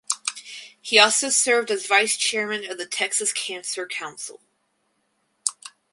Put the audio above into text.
He also served as vice chairman of the Texas Cancer Council.